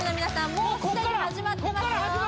もうこっから始まってますよ